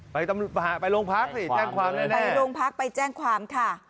ไปโรงพักสิแจ้งความแล้วนะไปโรงพักไปแจ้งความค่ะ